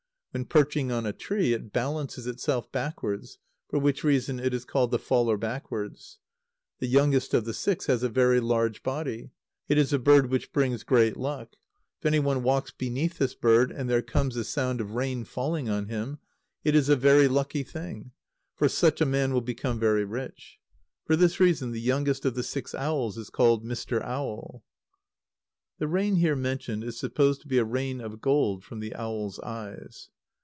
When perching on a tree, it balances itself backwards, for which reason it is called "The Faller Backwards." The youngest of the six has a very large body. It is a bird which brings great luck. If anyone walks beneath this bird, and there comes the sound of rain falling on him, it is a very lucky thing. Such a man will become very rich. For this reason the youngest of the six owls is called "Mr. Owl." [The rain here mentioned is supposed to be a rain of gold from the owl's eyes.